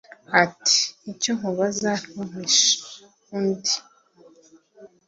ati «icyo nkubaza ntumpishe» undi